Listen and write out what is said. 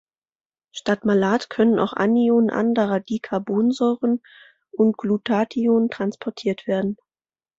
Statt Malat können auch Anionen anderer Dicarbonsäuren und Glutathion transportiert werden.